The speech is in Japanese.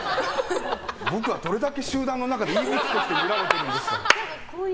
僕はどれだけ集団の中で異物として見られているんですか？